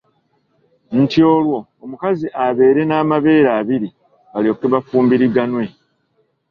Nti olwo omukazi abeere n'amabeere abiri balyoke bafumbiriganwe.